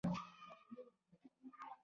اشرف خان ویل ښځې له سبق سره څه کار لري